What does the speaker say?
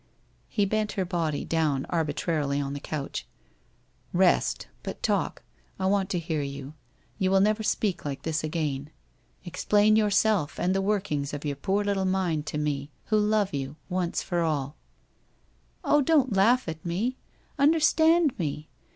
He bent her body down arbi trarily on the couch. ' Rest. But talk. I want to hear you. You will never speak like this again. Explain your self and the workings of your poor little mind to me, who love you, once for all.' 1 Oh, don't laugh at me. Understand me.